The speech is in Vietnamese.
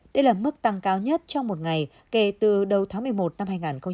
đây là mức tăng cao nhất trong một ngày kể từ đầu tháng một mươi một năm hai nghìn một mươi chín